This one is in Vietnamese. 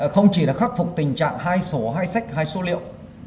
không chỉ là khắc phục tình trạng hai sổ hai sách hai số liệu